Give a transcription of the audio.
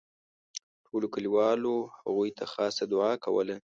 ټولو کلیوالو هغوی ته خاصه دوعا کوله.